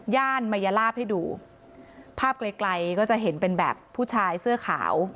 ย่านมัยลาบให้ดูภาพไกลไกลก็จะเห็นเป็นแบบผู้ชายเสื้อขาว